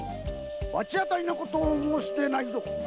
罰当たりなことを申すでないぞ！